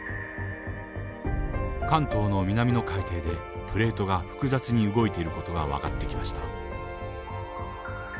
関東の南の海底でプレートが複雑に動いている事が分かってきました。